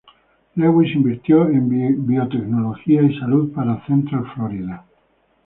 Lewis invirtió en biotecnología y salud para Central Florida.